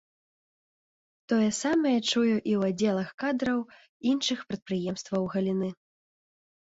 Тое самае чую і ў аддзелах кадраў іншых прадпрыемствах галіны.